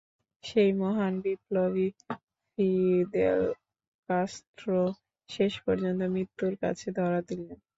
সেই মহান বিপ্লবী ফিদেল কাস্ত্রো শেষ পর্যন্ত মৃত্যুর কাছে ধরা দিলেন।